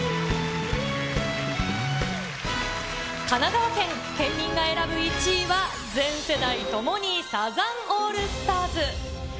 神奈川県、県民が選ぶ１位は、全世代ともにサザンオールスターズ。